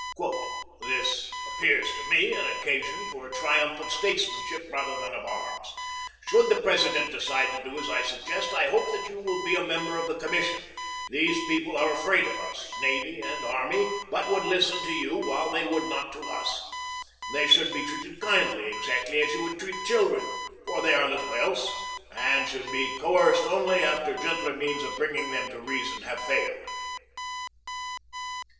"This appears to me an occasion for a triumph of statesmanship rather than of arms. Should the President decide to do as I suggest, I hope that you will be a member of the commission. These people are afraid of us, navy and army, but would listen to you while they would not to us. They should be treated kindly, exactly as you would treat children, for they are little else, and should be coerced only after gentler means of bringing them to reason have failed."